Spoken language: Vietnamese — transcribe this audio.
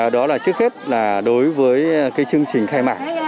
đó là trước hết là đối với chương trình khai mạng